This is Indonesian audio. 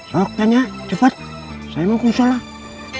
soalnya tanya cepat saya mau sholat